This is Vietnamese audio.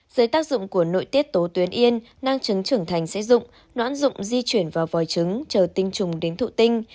dưới tác dụng của nội tiết tố tuyến yên nang trứng trưởng thành sẽ dụng đoán dụng di chuyển vào vòi trứng chờ tinh trùng đến thụ tinh